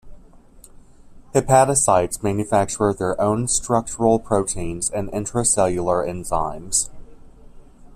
Hepatocytes manufacture their own structural proteins and intracellular enzymes.